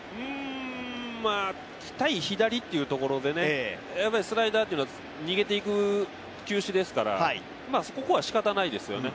対左というところで、やはりスライダーというのは逃げていく球種ですからここはしかたないですよね。